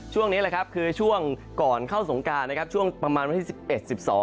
ช่วงนี้แหละครับคือช่วงก่อนเข้าสงการนะครับช่วงประมาณวันที่๑๑๑๒